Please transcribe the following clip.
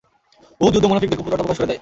উহুদ যুদ্ধ মুনাফিকদের কপটতা প্রকাশ করে দেয়।